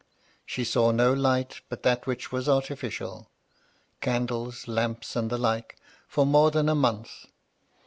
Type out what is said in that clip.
She saw no light but that which was artificial — candles, lamps, and the like, for more than a month.